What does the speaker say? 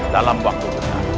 dalam waktu yang benar